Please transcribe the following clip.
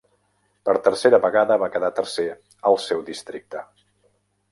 Per tercera vegada va quedar tercer al seu districte.